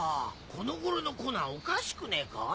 この頃のコナンおかしくねえか？